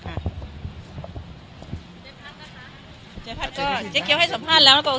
เจ๊พัดนะคะเจ๊พัดก็เจ๊เกี๊วให้สัมภาษณ์แล้วแล้วก็โอเคเนอะ